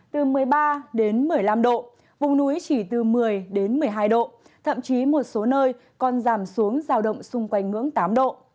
từ một mươi ba đến một mươi năm độ vùng núi chỉ từ một mươi một mươi hai độ thậm chí một số nơi còn giảm xuống giao động xung quanh ngưỡng tám độ